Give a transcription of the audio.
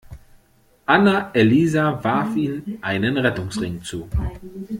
Anna-Elisa warf ihm einen Rettungsring zu.